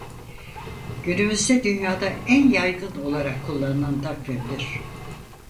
Günümüzde dünyada en yaygın olarak kullanılan takvimdir.